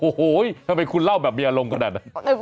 โอ้โหทำไมคุณเล่าแบบมีอารมณ์ขนาดนั้น